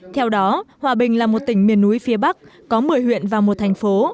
theo đó hòa bình là một tỉnh miền núi phía bắc có một mươi huyện và một thành phố